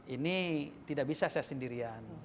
ini tidak bisa saya sendirian